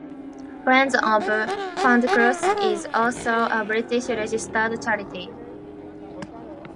Friends of FundeCruz is also a British registered charity.